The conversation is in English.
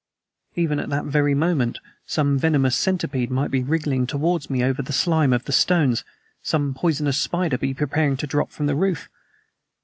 Even at that very moment some venomous centipede might be wriggling towards me over the slime of the stones, some poisonous spider be preparing to drop from the roof!